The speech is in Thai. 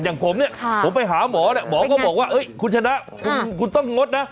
อย่างผมเนี่ยผมไปหาหมอเนี่ยหมอก็บอกว่าคุณชนะคุณต้องงดนะ